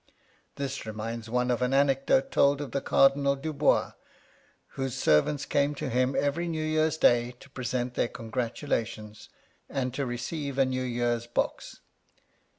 This reminds one of an anecdote told of the Cardinal Dubois, whose servants came to him every New Year's Day to present their congratulations, and to receive a New Year's box.